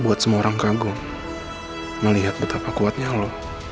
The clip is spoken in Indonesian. buat semua orang kagum melihat betapa kuatnya lo